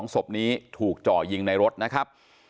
๒ศพนี้ถูกเจาะยิงในรถนะครับ